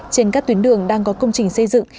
trên các tuyến đường đang có công trình xây dựng